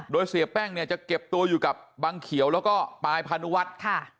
โดยเสียแป้งเนี่ยจะเก็บตัวอยู่กับบังเขียวแล้วก็ปายพานุวัฒน์